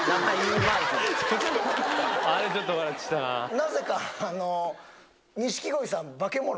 なぜか。